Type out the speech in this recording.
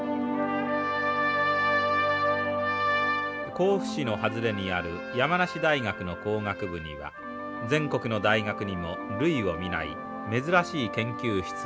甲府市の外れにある山梨大学の工学部には全国の大学にも類を見ない珍しい研究室が２つあります。